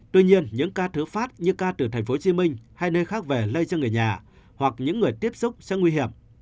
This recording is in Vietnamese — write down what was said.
tuy nhiên những ca thứ phát như ca từ tp hcm hay nơi khác về lây cho người nhà hoặc những người tiếp xúc sẽ nguy hiểm